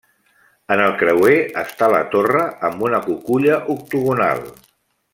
En el creuer, està la torre amb una cuculla octogonal.